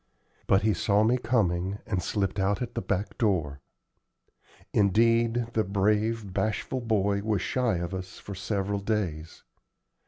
But he saw me coming, and slipped out at the back door. Indeed, the brave, bashful boy was shy of us for several days.